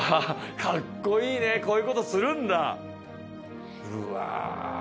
かっこいいねこういうことするんだうわ